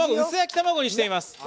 薄焼き卵にしています。